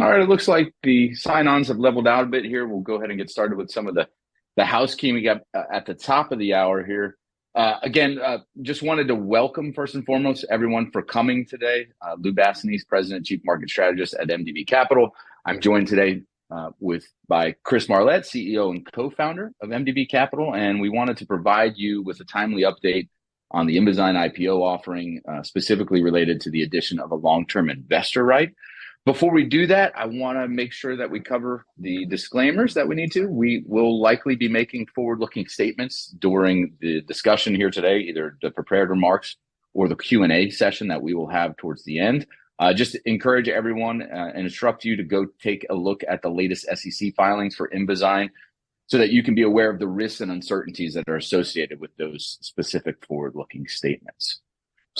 All right, it looks like the sign-ons have leveled out a bit here. We'll go ahead and get started with some of the housekeeping we got at the top of the hour here. Again, just wanted to welcome, first and foremost, everyone for coming today. I'm Lou Basenese, President and Chief Market Strategist at MDB Capital. I'm joined today by Chris Marlette, CEO and Co-founder of MDB Capital, and we wanted to provide you with a timely update on the Invizyne IPO offering, specifically related to the addition of a long-term investor right. Before we do that, I want to make sure that we cover the disclaimers that we need to. We will likely be making forward-looking statements during the discussion here today, either the prepared remarks or the Q&A session that we will have towards the end. Just encourage everyone and instruct you to go take a look at the latest SEC filings for Invizyne so that you can be aware of the risks and uncertainties that are associated with those specific forward-looking statements.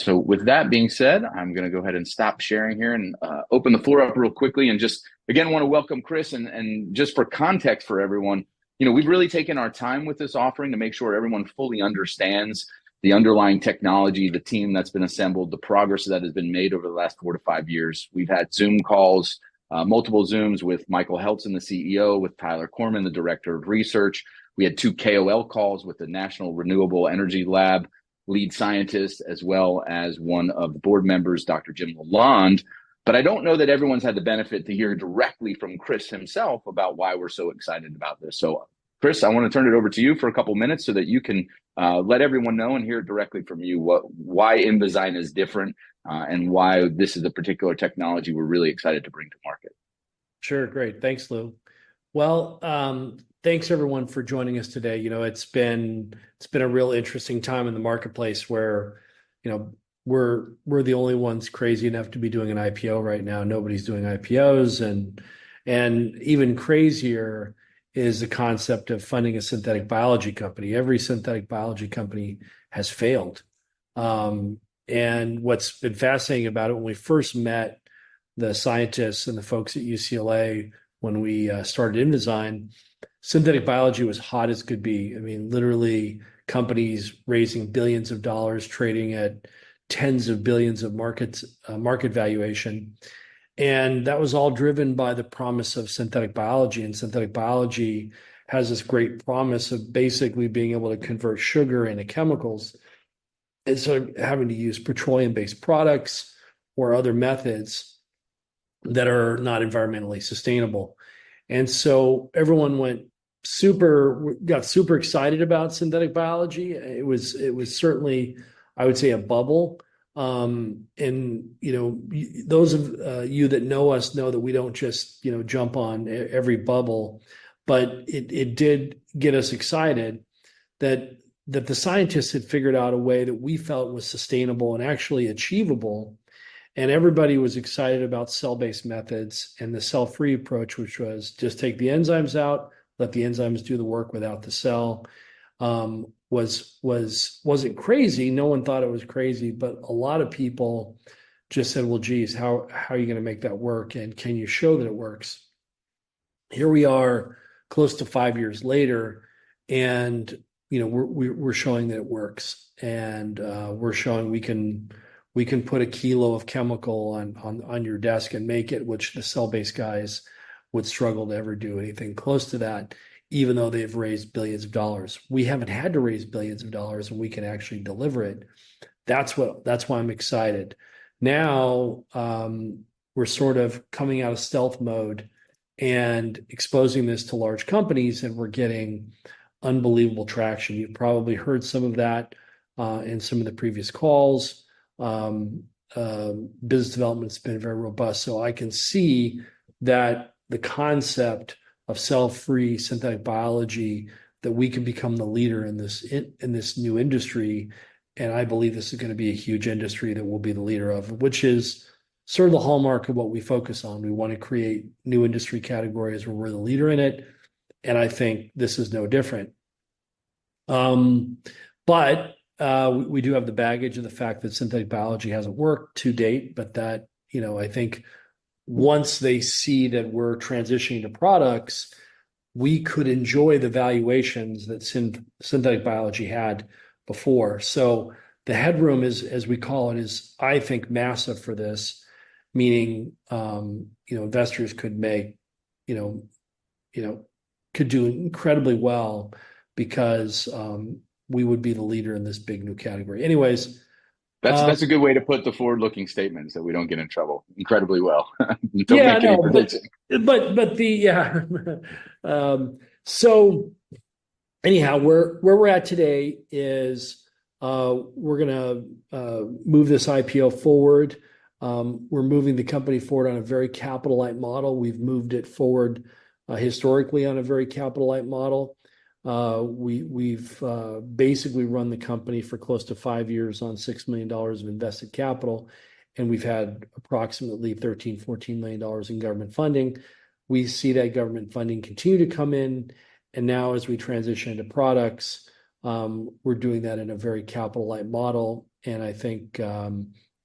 So with that being said, I'm going to go ahead and stop sharing here and open the floor up real quickly. And just again, I want to welcome Chris. And just for context for everyone, you know we've really taken our time with this offering to make sure everyone fully understands the underlying technology, the team that's been assembled, the progress that has been made over the last four to five years. We've had Zoom calls, multiple Zooms with Michael Heltzen, the CEO, with Tyler Korman, the Director of Research. We had two KOL calls with the National Renewable Energy Lab lead scientist, as well as one of the board members, Dr. Jim Lalonde. But I don't know that everyone's had the benefit to hear directly from Chris himself about why we're so excited about this. So Chris, I want to turn it over to you for a couple of minutes so that you can let everyone know and hear directly from you why Invizyne is different and why this is a particular technology we're really excited to bring to market. Sure. Great. Thanks, Lou. Well, thanks everyone for joining us today. You know it's been a real interesting time in the marketplace where you know we're the only ones crazy enough to be doing an IPO right now. Nobody's doing IPOs. And even crazier is the concept of funding a synthetic biology company. Every synthetic biology company has failed. And what's been fascinating about it, when we first met the scientists and the folks at UCLA when we started Invizyne, synthetic biology was hot as could be. I mean, literally companies raising billions of dollars, trading at tens of billions of market valuation. And that was all driven by the promise of synthetic biology. And synthetic biology has this great promise of basically being able to convert sugar into chemicals instead of having to use petroleum-based products or other methods that are not environmentally sustainable. And so everyone got super excited about synthetic biology. It was certainly, I would say, a bubble. And those of you that know us know that we don't just jump on every bubble. But it did get us excited that the scientists had figured out a way that we felt was sustainable and actually achievable. And everybody was excited about cell-based methods and the cell-free approach, which was just take the enzymes out, let the enzymes do the work without the cell. It wasn't crazy. No one thought it was crazy. But a lot of people just said, well, geez, how are you going to make that work? And can you show that it works? Here we are, close to five years later, and we're showing that it works. And we're showing we can put a kilo of chemical on your desk and make it, which the cell-based guys would struggle to ever do anything close to that, even though they've raised billions of dollars. We haven't had to raise billions of dollars, and we can actually deliver it. That's why I'm excited. Now we're sort of coming out of stealth mode and exposing this to large companies, and we're getting unbelievable traction. You've probably heard some of that in some of the previous calls. Business development has been very robust. So I can see that the concept of cell-free synthetic biology, that we can become the leader in this new industry. And I believe this is going to be a huge industry that we'll be the leader of, which is sort of the hallmark of what we focus on. We want to create new industry categories where we're the leader in it. And I think this is no different. But we do have the baggage of the fact that synthetic biology hasn't worked to date. But that I think once they see that we're transitioning to products, we could enjoy the valuations that synthetic biology had before. So the headroom, as we call it, is, I think, massive for this, meaning investors could do incredibly well because we would be the leader in this big new category. Anyways. That's a good way to put the forward-looking statements that we don't get in trouble. Incredibly well. Don't make any predictions. But yeah. So anyhow, where we're at today is we're going to move this IPO forward. We're moving the company forward on a very capital-light model. We've moved it forward historically on a very capital-light model. We've basically run the company for close to five years on $6 million of invested capital. And we've had approximately $13-$14 million in government funding. We see that government funding continue to come in. And now as we transition into products, we're doing that in a very capital-light model. And I think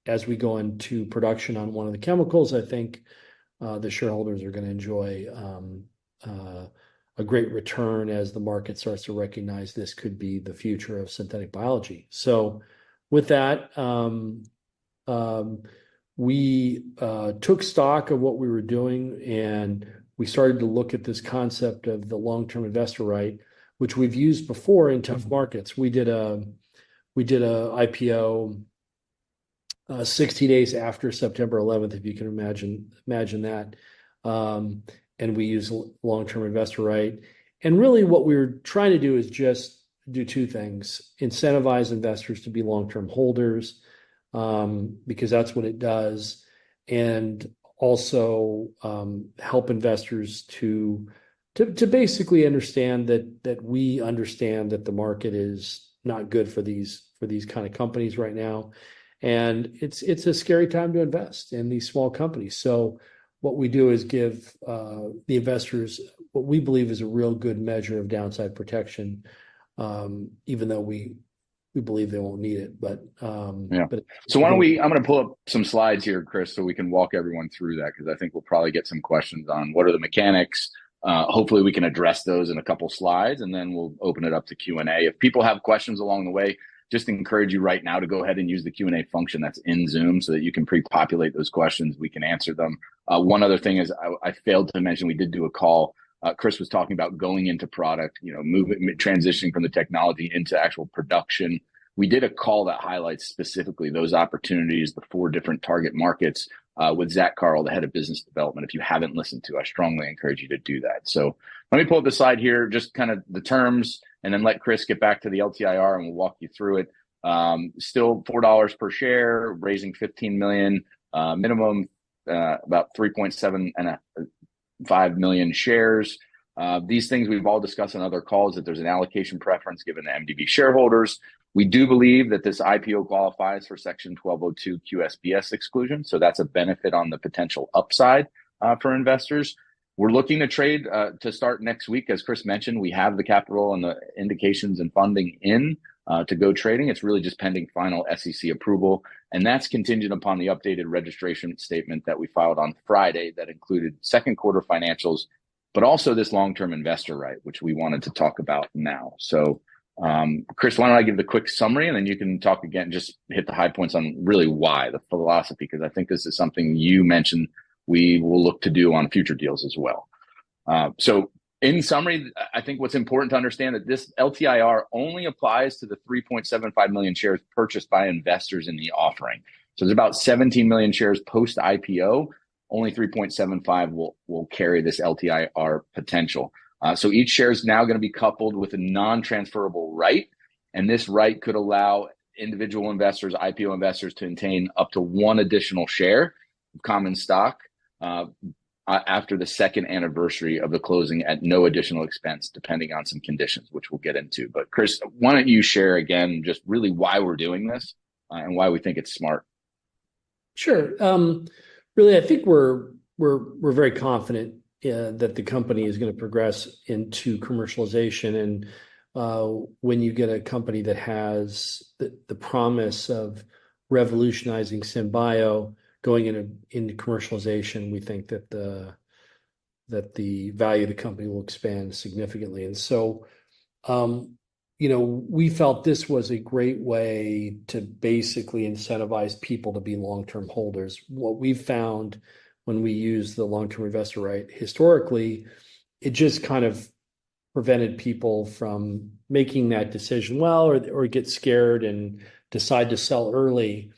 as we go into production on one of the chemicals, I think the shareholders are going to enjoy a great return as the market starts to recognize this could be the future of synthetic biology. So with that, we took stock of what we were doing. And we started to look at this concept of the long-term investor right, which we've used before in tough markets. We did an IPO 60 days after September 11, if you can imagine that. And we used long-term investor right. And really what we were trying to do is just do two things: incentivize investors to be long-term holders because that's what it does, and also help investors to basically understand that we understand that the market is not good for these kind of companies right now. And it's a scary time to invest in these small companies. So what we do is give the investors what we believe is a real good measure of downside protection, even though we believe they won't need it. Yeah. So why don't we. I'm going to pull up some slides here, Chris, so we can walk everyone through that because I think we'll probably get some questions on what are the mechanics. Hopefully, we can address those in a couple of slides. And then we'll open it up to Q&A. If people have questions along the way, just encourage you right now to go ahead and use the Q&A function that's in Zoom so that you can pre-populate those questions. We can answer them. One other thing is I failed to mention, we did do a call. Chris was talking about going into product, transitioning from the technology into actual production. We did a call that highlights specifically those opportunities, the four different target markets with Zack Karl, the head of business development. If you haven't listened to, I strongly encourage you to do that. So let me pull up the slide here, just kind of the terms, and then let Chris get back to the LTIR, and we'll walk you through it. Still $4 per share, raising $15 million, minimum about 3.75 million shares. These things we've all discussed in other calls, that there's an allocation preference given to MDB shareholders. We do believe that this IPO qualifies for Section 1202 QSBS exclusion. So that's a benefit on the potential upside for investors. We're looking to trade to start next week. As Chris mentioned, we have the capital and the indications and funding in to go trading. It's really just pending final SEC approval. And that's contingent upon the updated registration statement that we filed on Friday that included second quarter financials, but also this long-term investor right, which we wanted to talk about now. So, Chris, why don't I give the quick summary, and then you can talk again and just hit the high points on really why, the philosophy, because I think this is something you mentioned we will look to do on future deals as well. So, in summary, I think what's important to understand is that this LTIR only applies to the 3.75 million shares purchased by investors in the offering. So, there's about 17 million shares post-IPO. Only 3.75 will carry this LTIR potential. So, each share is now going to be coupled with a non-transferable right. And this right could allow individual investors, IPO investors, to obtain up to one additional share of common stock after the second anniversary of the closing at no additional expense, depending on some conditions, which we'll get into. But Chris, why don't you share again just really why we're doing this and why we think it's smart? Sure. Really, I think we're very confident that the company is going to progress into commercialization. And when you get a company that has the promise of revolutionizing SynBio going into commercialization, we think that the value of the company will expand significantly. And so we felt this was a great way to basically incentivize people to be long-term holders. What we've found when we use the long-term investor right historically, it just kind of prevented people from making that decision well or get scared and decide to sell early.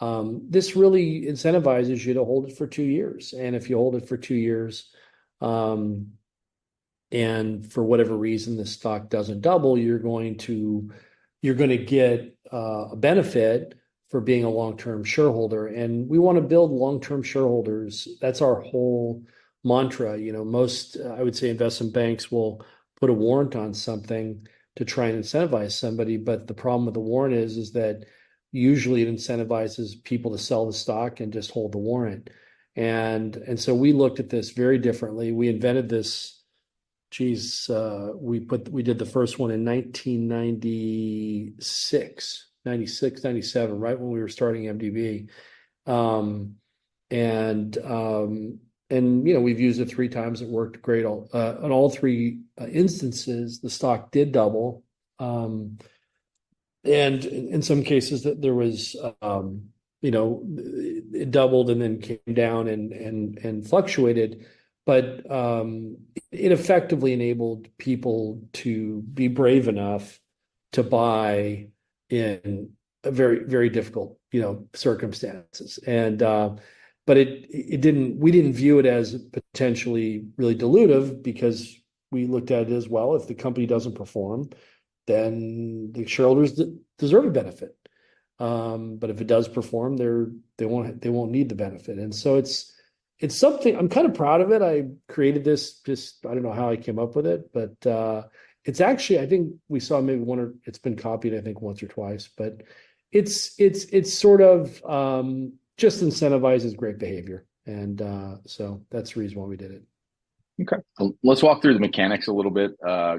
This really incentivizes you to hold it for two years. And if you hold it for two years and for whatever reason the stock doesn't double, you're going to get a benefit for being a long-term shareholder. And we want to build long-term shareholders. That's our whole mantra. I would say investment banks will put a warrant on something to try and incentivize somebody. But the problem with the warrant is that usually it incentivizes people to sell the stock and just hold the warrant. And so we looked at this very differently. We invented this. Jeez, we did the first one in 1996, 1996, 1997, right when we were starting MDB. And we've used it three times. It worked great in all three instances. The stock did double. And in some cases, it doubled and then came down and fluctuated. But it effectively enabled people to be brave enough to buy in very difficult circumstances. But we didn't view it as potentially really dilutive because we looked at it as, well, if the company doesn't perform, then the shareholders deserve a benefit. But if it does perform, they won't need the benefit. And so it's something I'm kind of proud of it. I created this. I don't know how I came up with it. But it's actually, I think we saw maybe one or it's been copied, I think, once or twice. But it sort of just incentivizes great behavior. And so that's the reason why we did it. Okay. Let's walk through the mechanics a little bit.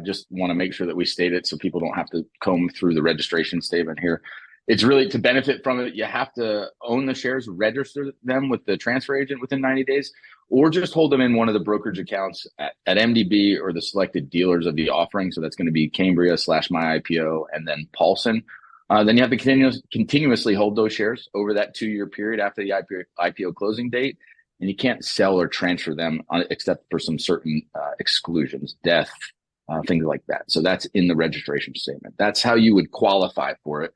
Just want to make sure that we state it so people don't have to comb through the registration statement here. It's really to benefit from it, you have to own the shares, register them with the transfer agent within 90 days, or just hold them in one of the brokerage accounts at MDB or the selected dealers of the offering, so that's going to be Cambria/MyIPO and then Paulson, then you have to continuously hold those shares over that two-year period after the IPO closing date, and you can't sell or transfer them except for some certain exclusions, death, things like that, so that's in the registration statement. That's how you would qualify for it,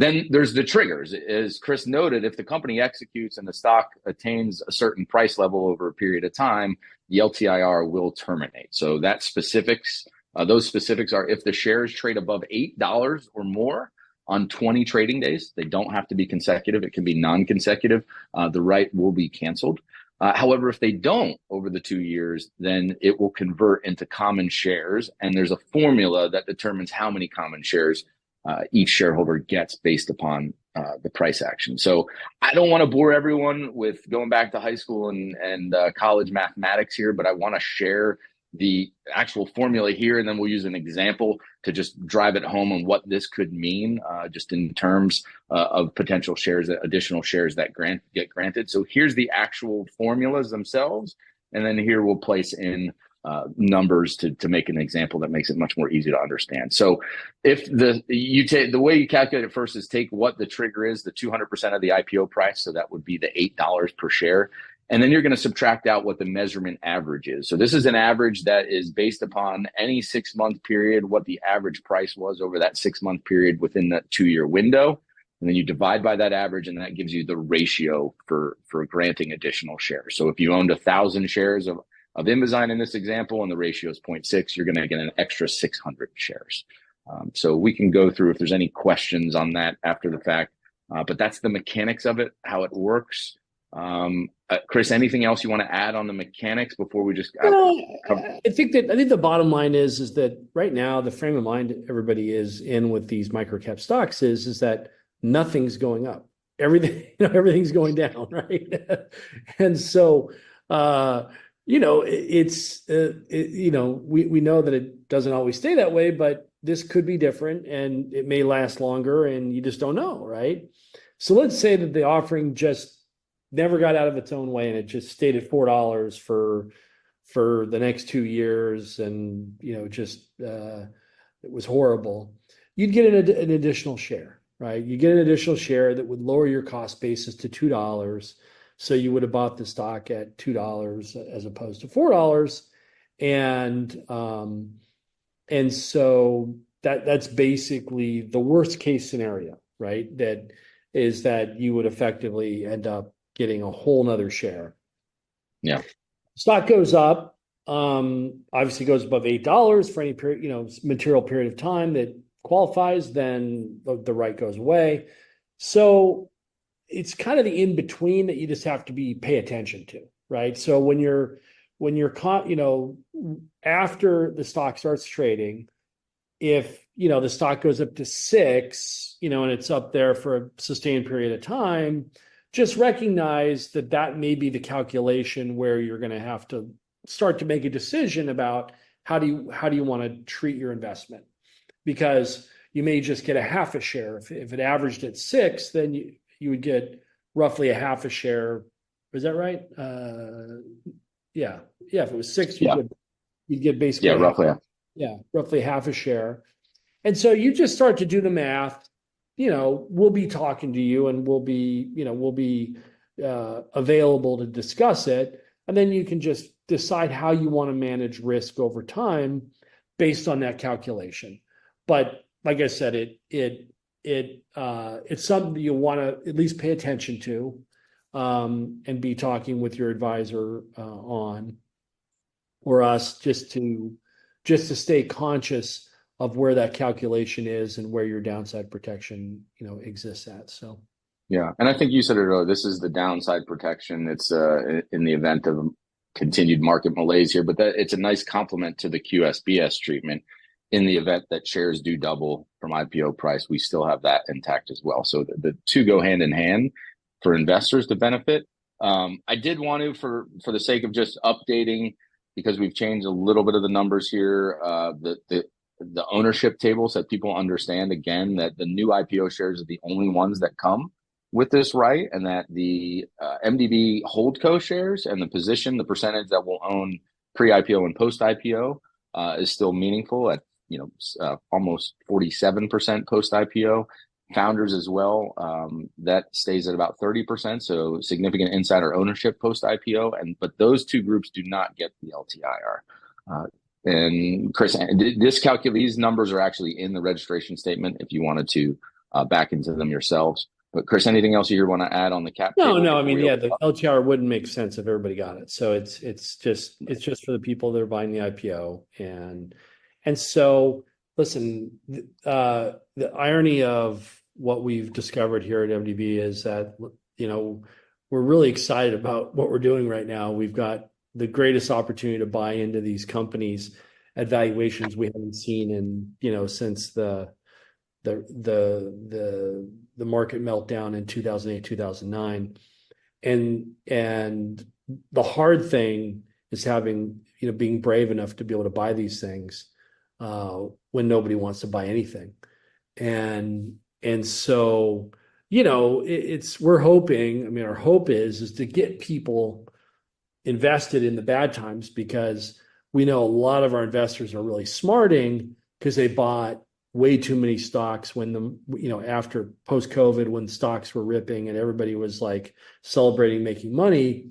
then there's the triggers. As Chris noted, if the company executes and the stock attains a certain price level over a period of time, the LTIR will terminate. So those specifics are if the shares trade above $8 or more on 20 trading days, they don't have to be consecutive. It can be non-consecutive. The right will be canceled. However, if they don't over the two years, then it will convert into common shares. And there's a formula that determines how many common shares each shareholder gets based upon the price action. So I don't want to bore everyone with going back to high school and college mathematics here, but I want to share the actual formula here. And then we'll use an example to just drive it home on what this could mean just in terms of additional shares that get granted. So here's the actual formulas themselves. And then here we'll place in numbers to make an example that makes it much more easy to understand. So the way you calculate it first is take what the trigger is, the 200% of the IPO price. So that would be the $8 per share. And then you're going to subtract out what the measurement average is. So this is an average that is based upon any six-month period, what the average price was over that six-month period within that two-year window. And then you divide by that average, and that gives you the ratio for granting additional shares. So if you owned 1,000 shares of Invizyne in this example and the ratio is 0.6, you're going to get an extra 600 shares. So we can go through if there's any questions on that after the fact. But that's the mechanics of it, how it works. Chris, anything else you want to add on the mechanics before we just? I think the bottom line is that right now, the frame of mind everybody is in with these micro-cap stocks is that nothing's going up. Everything's going down, right, and so we know that it doesn't always stay that way, but this could be different, and it may last longer, and you just don't know, right? Let's say that the offering just never got out of its own way, and it just stayed at $4 for the next two years and just it was horrible. You'd get an additional share, right? You'd get an additional share that would lower your cost basis to $2, so you would have bought the stock at $2 as opposed to $4, and so that's basically the worst-case scenario, right? That is that you would effectively end up getting a whole nother share. Yeah. The stock goes up, obviously goes above $8 for any material period of time that qualifies, then the right goes away. So it's kind of the in-between that you just have to pay attention to, right? So when you're after the stock starts trading, if the stock goes up to $6 and it's up there for a sustained period of time, just recognize that that may be the calculation where you're going to have to start to make a decision about how do you want to treat your investment. Because you may just get 0.5 share. If it averaged at $6, then you would get roughly 0.5 share. Is that right? Yeah. Yeah. If it was $6, you'd get basically. Yeah, roughly. Yeah, roughly half a share. And so you just start to do the math. We'll be talking to you, and we'll be available to discuss it. And then you can just decide how you want to manage risk over time based on that calculation. But like I said, it's something that you want to at least pay attention to and be talking with your advisor on or us just to stay conscious of where that calculation is and where your downside protection exists at, so. Yeah. And I think you said it earlier. This is the downside protection in the event of continued market malaise here. But it's a nice complement to the QSBS treatment in the event that shares do double from IPO price. We still have that intact as well. So the two go hand in hand for investors to benefit. I did want to, for the sake of just updating, because we've changed a little bit of the numbers here, the ownership tables that people understand, again, that the new IPO shares are the only ones that come with this right and that the MDB Holdco shares and the position, the percentage that will own pre-IPO and post-IPO is still meaningful at almost 47% post-IPO. Founders as well, that stays at about 30%. So significant insider ownership post-IPO. But those two groups do not get the LTIR. And Chris, these numbers are actually in the registration statement if you wanted to back into them yourselves. But Chris, anything else you want to add on the cap trigger? No, no. I mean, yeah, the LTIR wouldn't make sense if everybody got it. So it's just for the people that are buying the IPO. And so listen, the irony of what we've discovered here at MDB is that we're really excited about what we're doing right now. We've got the greatest opportunity to buy into these companies at valuations we haven't seen since the market meltdown in 2008, 2009. And the hard thing is being brave enough to be able to buy these things when nobody wants to buy anything. And so we're hoping, I mean, our hope is to get people invested in the bad times because we know a lot of our investors are really smarting because they bought way too many stocks after post-COVID when stocks were ripping and everybody was celebrating making money.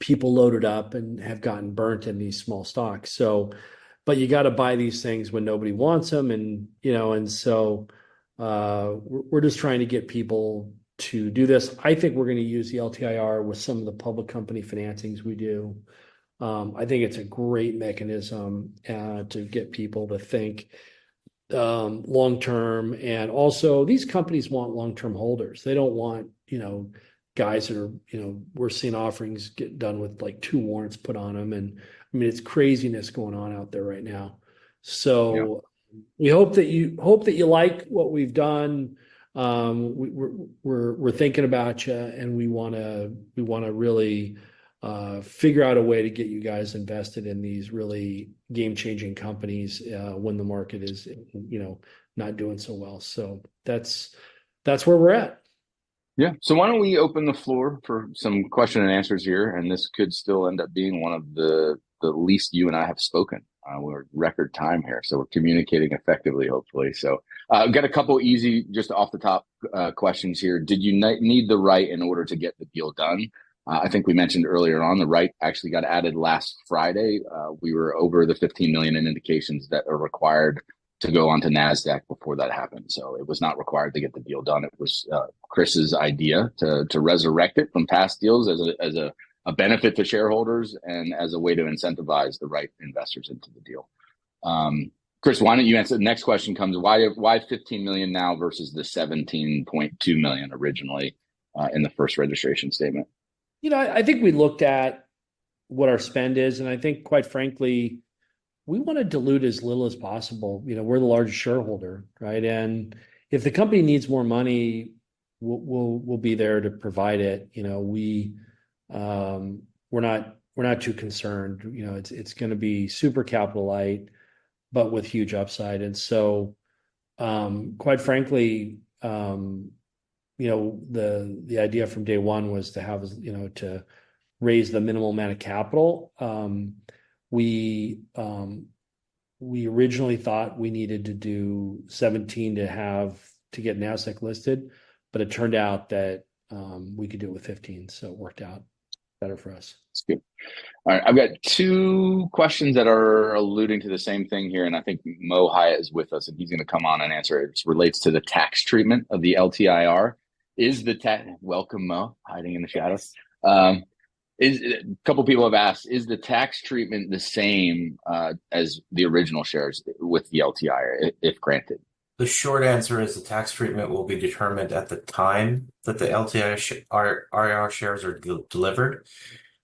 People loaded up and have gotten burnt in these small stocks. But you got to buy these things when nobody wants them. And so we're just trying to get people to do this. I think we're going to use the LTIR with some of the public company financings we do. I think it's a great mechanism to get people to think long-term. And also, these companies want long-term holders. They don't want guys that are. We're seeing offerings get done with two warrants put on them. And I mean, it's craziness going on out there right now. So we hope that you like what we've done. We're thinking about you, and we want to really figure out a way to get you guys invested in these really game-changing companies when the market is not doing so well. So that's where we're at. Yeah. So why don't we open the floor for some questions and answers here? And this could still end up being one of the least you and I have spoken. We're at record time here. So we're communicating effectively, hopefully. So we've got a couple of easy, just off-the-top questions here. Did you need the right in order to get the deal done? I think we mentioned earlier on the right actually got added last Friday. We were over the $15 million in indications that are required to go on to NASDAQ before that happened. So it was not required to get the deal done. It was Chris's idea to resurrect it from past deals as a benefit to shareholders and as a way to incentivize the right investors into the deal. Chris, why don't you answer the next question comes? Why 15 million now versus the 17.2 million originally in the first registration statement? I think we looked at what our spend is, and I think, quite frankly, we want to dilute as little as possible. We're the largest shareholder, right, and if the company needs more money, we'll be there to provide it. We're not too concerned. It's going to be super capital-light, but with huge upside, and so, quite frankly, the idea from day one was to raise the minimal amount of capital. We originally thought we needed to do 17 to get NASDAQ listed, but it turned out that we could do it with 15, so it worked out better for us. That's good. All right. I've got two questions that are alluding to the same thing here. And I think Mo Hayat is with us, and he's going to come on and answer it. It relates to the tax treatment of the LTIR. Welcome, Mo, hiding in the shadows. A couple of people have asked, is the tax treatment the same as the original shares with the LTIR, if granted? The short answer is the tax treatment will be determined at the time that the LTIR shares are delivered,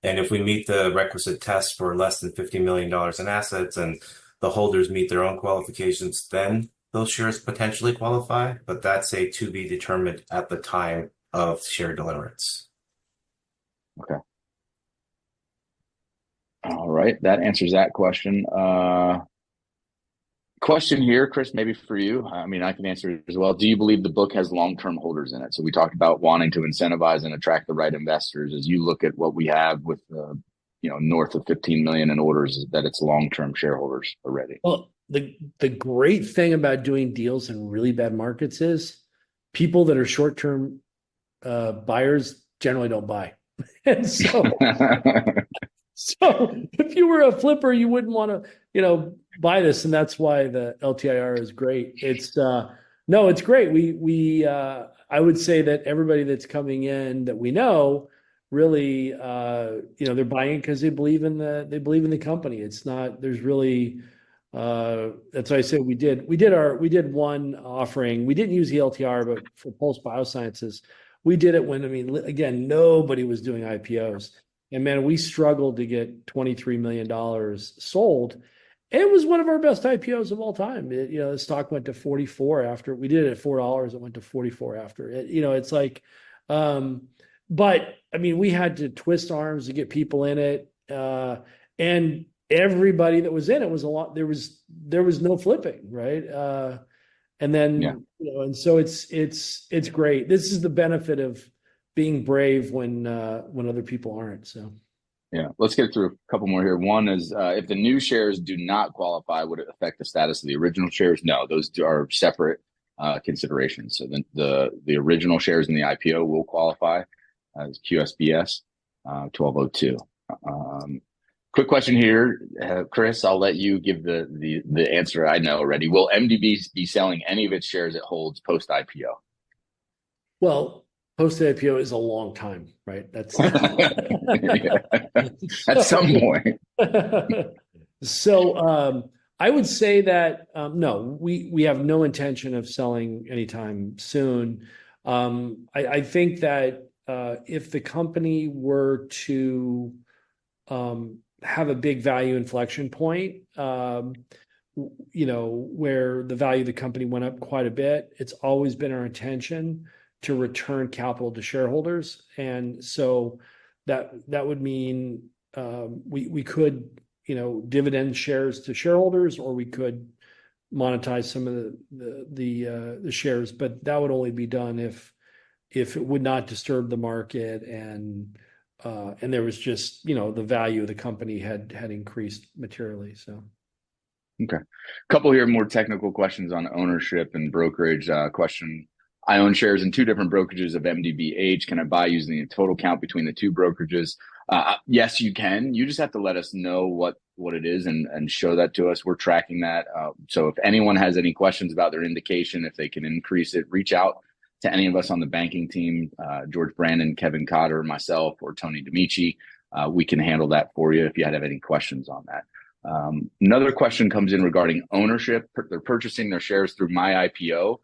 and if we meet the requisite test for less than $50 million in assets and the holders meet their own qualifications, then those shares potentially qualify, but that's to be determined at the time of share delivery. Okay. All right. That answers that question. Question here, Chris, maybe for you. I mean, I can answer it as well. Do you believe the book has long-term holders in it? So we talked about wanting to incentivize and attract the right investors. As you look at what we have with north of $15 million in orders, that it's long-term shareholders already. The great thing about doing deals in really bad markets is people that are short-term buyers generally don't buy. So if you were a flipper, you wouldn't want to buy this. And that's why the LTIR is great. No, it's great. I would say that everybody that's coming in that we know really, they're buying because they believe in the company. There's really, that's why I say we did one offering. We didn't use the LTIR, but for Pulse Biosciences, we did it when, I mean, again, nobody was doing IPOs. And man, we struggled to get $23 million sold. It was one of our best IPOs of all time. The stock went to 44 after we did it at $4. It went to 44 after it. It's like, but I mean, we had to twist arms to get people in it. Everybody that was in it was a lot, there was no flipping, right? So it's great. This is the benefit of being brave when other people aren't, so. Yeah. Let's get through a couple more here. One is if the new shares do not qualify, would it affect the status of the original shares? No, those are separate considerations. So the original shares in the IPO will qualify as QSBS 1202. Quick question here, Chris. I'll let you give the answer I know already. Will MDB be selling any of its shares it holds post-IPO? Post-IPO is a long time, right? At some point. So I would say that no, we have no intention of selling anytime soon. I think that if the company were to have a big value inflection point where the value of the company went up quite a bit, it's always been our intention to return capital to shareholders. And so that would mean we could dividend shares to shareholders, or we could monetize some of the shares. But that would only be done if it would not disturb the market and there was just the value of the company had increased materially, so. Okay. A couple of more technical questions on ownership and brokerage question. I own shares in two different brokerages of MDBH. Can I buy using the total count between the two brokerages? Yes, you can. You just have to let us know what it is and show that to us. We're tracking that. So if anyone has any questions about their indication, if they can increase it, reach out to any of us on the banking team, George Brandon, Kevin Cotter, myself, or Tony DiMicco. We can handle that for you if you have any questions on that. Another question comes in regarding ownership. They're purchasing their shares through MyIPO.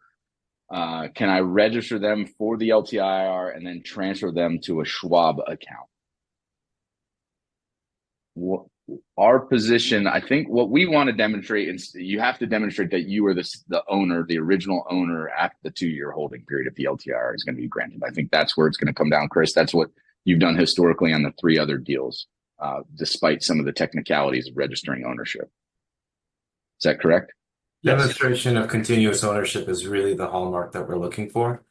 Can I register them for the LTIR and then transfer them to a Schwab account? Our position, I think what we want to demonstrate, and you have to demonstrate that you are the owner, the original owner after the two-year holding period if the LTIR is going to be granted. I think that's where it's going to come down, Chris. That's what you've done historically on the three other deals, despite some of the technicalities of registering ownership. Is that correct? Demonstration of continuous ownership is really the hallmark that we're looking for.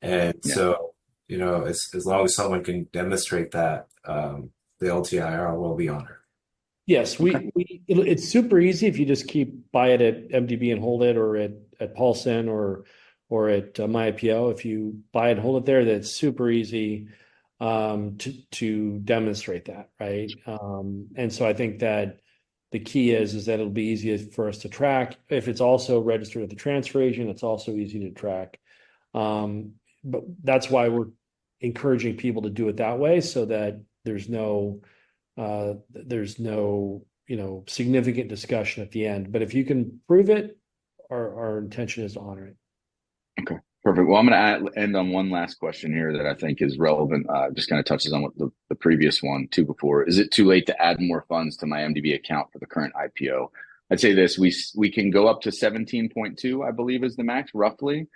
And so as long as someone can demonstrate that, the LTIR will be honored. Yes. It's super easy if you just keep buy it at MDB and hold it or at Paulson or at MyIPO. If you buy it and hold it there, that's super easy to demonstrate that, right? And so I think that the key is that it'll be easier for us to track. If it's also registered at the transfer agent, it's also easy to track. But that's why we're encouraging people to do it that way so that there's no significant discussion at the end. But if you can prove it, our intention is to honor it. Okay. Perfect. Well, I'm going to end on one last question here that I think is relevant. Just kind of touches on the previous one, two before. Is it too late to add more funds to my MDB account for the current IPO? I'd say this. We can go up to 17.2, I believe, is the max, roughly.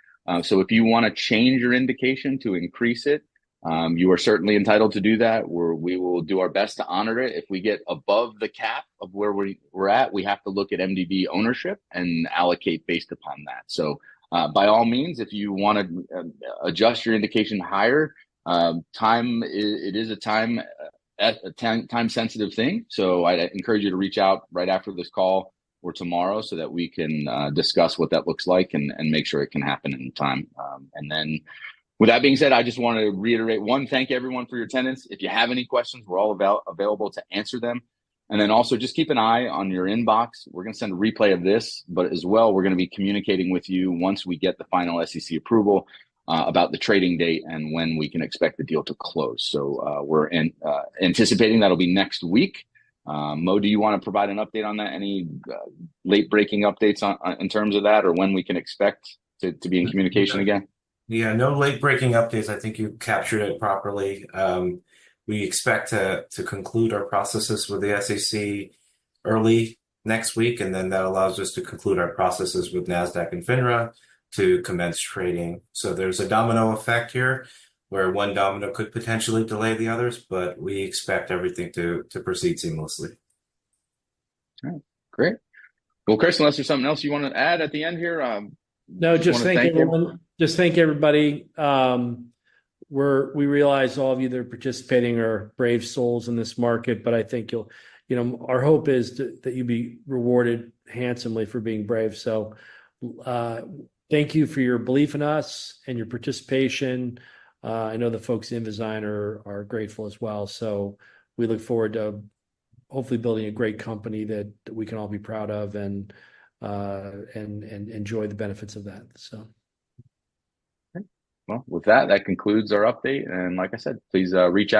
So if you want to change your indication to increase it, you are certainly entitled to do that. We will do our best to honor it. If we get above the cap of where we're at, we have to look at MDB ownership and allocate based upon that. So by all means, if you want to adjust your indication higher, it is a time-sensitive thing. So I encourage you to reach out right after this call or tomorrow so that we can discuss what that looks like and make sure it can happen in time. And then with that being said, I just want to reiterate one, thank everyone for your attendance. If you have any questions, we're all available to answer them. And then also just keep an eye on your inbox. We're going to send a replay of this, but as well, we're going to be communicating with you once we get the final SEC approval about the trading date and when we can expect the deal to close. So we're anticipating that'll be next week. Mo, do you want to provide an update on that? Any late-breaking updates in terms of that or when we can expect to be in communication again? Yeah. No late-breaking updates. I think you captured it properly. We expect to conclude our processes with the SEC early next week, and then that allows us to conclude our processes with NASDAQ and FINRA to commence trading, so there's a domino effect here where one domino could potentially delay the others, but we expect everything to proceed seamlessly. All right. Great. Well, Chris, unless there's something else you want to add at the end here. No, just thank everyone. Just thank everybody. We realize all of you that are participating are brave souls in this market, but I think our hope is that you be rewarded handsomely for being brave. So thank you for your belief in us and your participation. I know the folks in Invizyne are grateful as well. So we look forward to hopefully building a great company that we can all be proud of and enjoy the benefits of that, so. With that, that concludes our update. Like I said, please reach out.